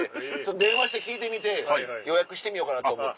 電話して聞いてみて予約してみようかなと思って。